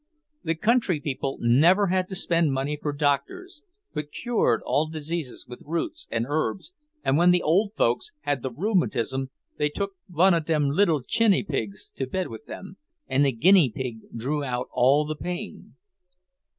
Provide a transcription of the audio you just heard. The country people never had to spend money for doctors, but cured all diseases with roots and herbs, and when the old folks had the rheumatism they took "one of dem liddle jenny pigs" to bed with them, and the guinea pig drew out all the pain.